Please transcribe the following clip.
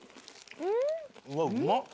うわうまっ。